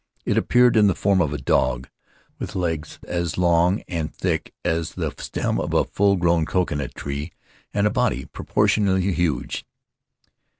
It appeared in the form of a dog with legs as long and thick as the stem of a full grown coconut tree, and a body propor tionally huge.